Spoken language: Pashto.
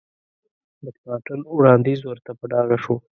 مکناټن وړاندیز ورته په ډاګه شو.